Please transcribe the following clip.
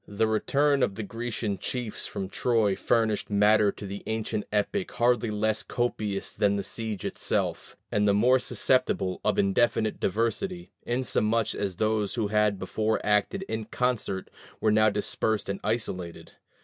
The return of the Grecian chiefs from Troy furnished matter to the ancient epic hardly less copious than the siege itself, and the more susceptible of indefinite diversity, inasmuch as those who had before acted in concert were now dispersed and isolated.